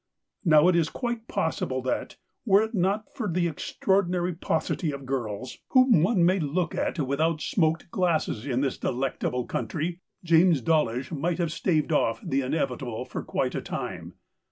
Now, it is quite possible that, were it not for the extraordinary paucity of girls whom one THE COWARD 131 may look at without smoked glasses in this delectable country, James Dawlish might have staved off the inevitable for quite a time.